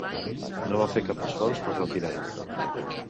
No va fer cap esforç per retirar-ho.